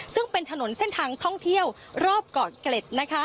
ซึ่งเป็นถนนเส้นทางท่องเที่ยวรอบเกาะเกล็ดนะคะ